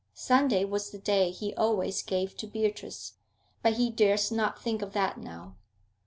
Sunday was the day he always gave to Beatrice. But he durst not think of that now.